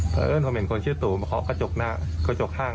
เพราะเอิ้นผมเห็นคนชื่อตู่มาเคาะกระจกหน้ากระจกห้าง